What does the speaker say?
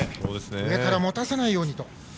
上から持たせないようにと。